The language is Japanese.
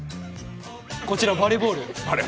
こちらバレーボール。